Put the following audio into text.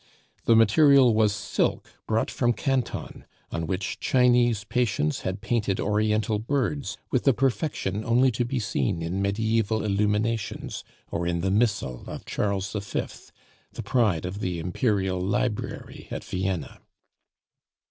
The material was silk brought from Canton, on which Chinese patience had painted Oriental birds with a perfection only to be seen in mediaeval illuminations, or in the Missal of Charles V., the pride of the Imperial library at Vienna.